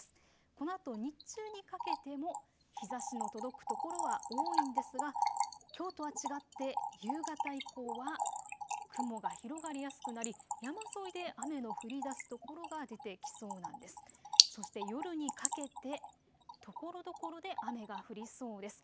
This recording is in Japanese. このあと日中にかけても日ざしの届く所は多いんですがきょうとは違って夕方以降は雲が広がりやすくなり山沿いで雨の降りだす所が出てきそうなんです。